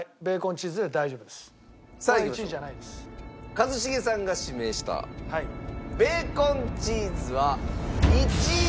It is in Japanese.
一茂さんが指名したベーコンチーズは１位。